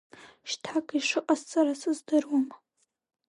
Шьҭак ишыҟасҵара сыздыруам.